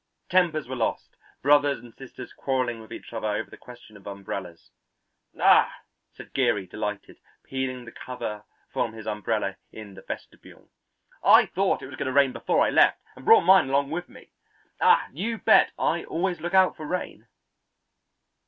Tempers were lost, brothers and sisters quarrelling with each other over the question of umbrellas. "Ah," said Geary, delighted, peeling the cover from his umbrella in the vestibule, "I thought it was going to rain before I left and brought mine along with me. Ah, you bet I always look out for rain!"